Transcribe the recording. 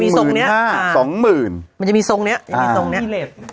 มันจะมีทรงเนี้ยอ่าสองหมื่นมันจะมีทรงเนี้ยอ่ามีทรงเนี้ยอ่ามีเรท